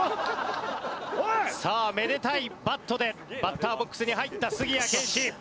さあめでたいバットでバッターボックスに入った杉谷拳士。